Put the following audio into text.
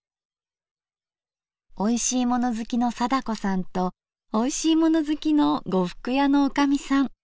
おいしいもの好きの貞子さんとおいしいもの好きの呉服屋の女将さん。